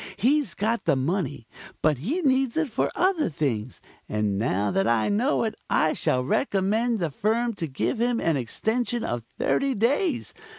He's got the money, but he needs it for other things, and now that I know it I shall recommend the firm to give him an extension of thirty days.